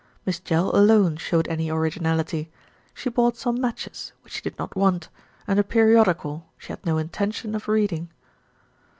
Miss Jell alone showed any originality. She bought some matches, which she did not want, and a periodical she had no intention of reading.